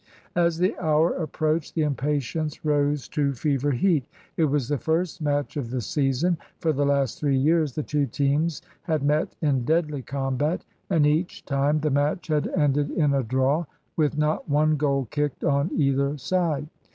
As the hour approached the impatience rose to fever heat. It was the first match of the season. For the last three years the two teams had met in deadly combat, and each time the match had ended in a draw, with not one goal kicked on either side.